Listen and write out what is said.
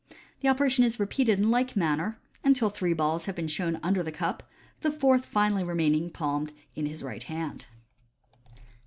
The operation is repeated in like manner, until three balls have been shown under the cup, the fourth finally remaining palmed in the right hand.